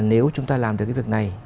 nếu chúng ta làm được cái việc này